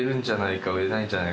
売れないんじゃないか？